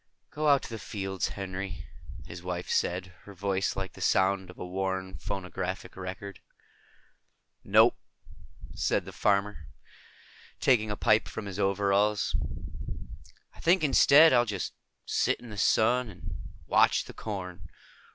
"Go out to the fields, Henry," his wife said, her voice like the sound of a worn phonograph record. "No," the farmer said, taking a pipe from his overalls. "I think instead, I'll just sit in the sun and watch the corn.